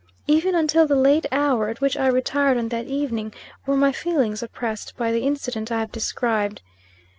Even until the late hour at which I retired on that evening, were my feelings oppressed by the incident I have described.